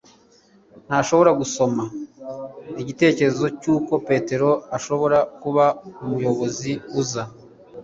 Ntashobora gusama igitekerezo cy'uko Petero ashobora kuba umuyobozi uza